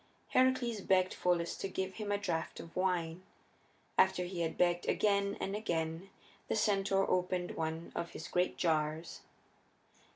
Heracles begged Pholus to give him a draft of wine; after he had begged again and again the centaur opened one of his great jars.